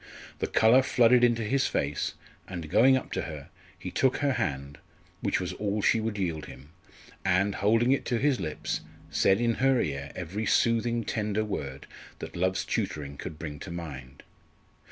The colour flooded into his face, and going up to her he took her hand, which was all she would yield him, and, holding it to his lips, said in her ear every soothing tender word that love's tutoring could bring to mind.